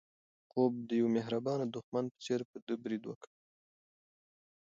خوب د یو مهربانه دښمن په څېر په ده برید وکړ.